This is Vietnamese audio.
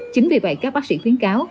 chính vì vậy các bác sĩ khuyến cáo